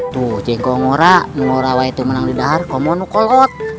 tuh jengkol ngorak ngorak itu menang lidar kamu nukolot